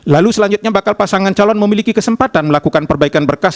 lalu selanjutnya bakal pasangan calon memiliki kesempatan melakukan perbaikan berkas